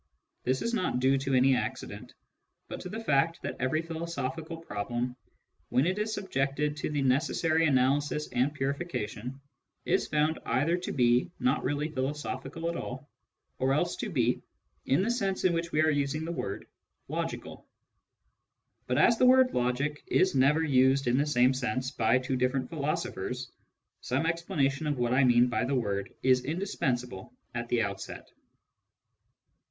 This is not due to any accident, but to the fact that every philosophical problem, when it is subjected to the necessary analysis and purification, is found either to be not really philosophical at all, or else to be, in the sense in which we are using the word, logical. But as the word " logic " is never used in the same sense by two different philosophers, some explanation of what I mean by the word is indispensable at the outset.